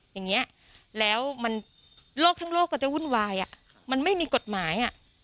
อย่างนี้แล้วมันโลกทั้งโลกก็จะวุ่นวายมันไม่มีกฎหมาย